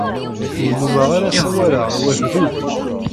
Ur nnummeɣ ara ssawaleɣ wagdudi.